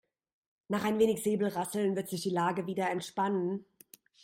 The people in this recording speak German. Nach ein wenig Säbelrasseln wird sich die Lage wieder entspannen.